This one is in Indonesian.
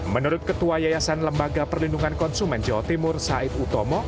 menurut ketua yayasan lembaga perlindungan konsumen jawa timur said utomo